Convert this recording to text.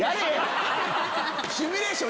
シミュレーション